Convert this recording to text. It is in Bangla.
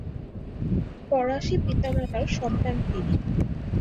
ফরাসী পিতা-মাতার সন্তান তিনি।